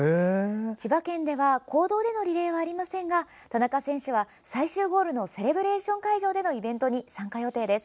千葉県では公道でのリレーはありませんが田中選手は最終ゴールのセレブレーション会場でのイベントに参加予定です。